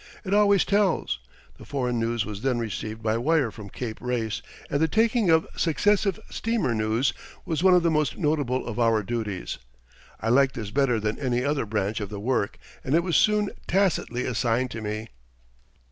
It always tells. The foreign news was then received by wire from Cape Race, and the taking of successive "steamer news" was one of the most notable of our duties. I liked this better than any other branch of the work, and it was soon tacitly assigned to me.